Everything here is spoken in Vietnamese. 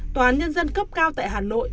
toán nhân dân cấp cao tại hà nội